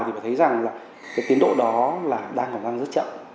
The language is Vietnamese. thì thấy rằng tiến độ đó đang còn rất chậm